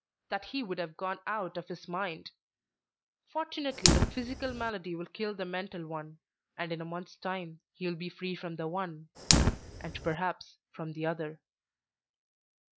that he would have gone out of his mind. Fortunately, the physical malady will kill the mental one, and in a month's time he will be free from the one and perhaps from the other."